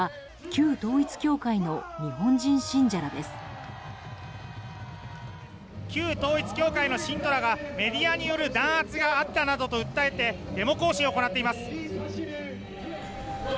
旧統一教会の信徒らがメディアによる弾圧があったなどと訴えてデモ行進を行っています。